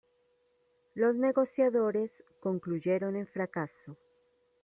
Las negociaciones concluyeron en fracaso.